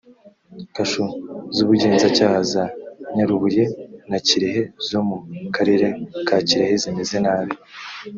kasho z’ubugenzacyaha za nyarubuye na kirehe zo mu karere ka kirehe zimeze nabi